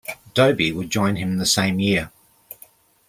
Doby would join him the same year.